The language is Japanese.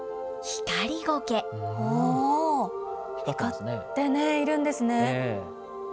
光っているんですね。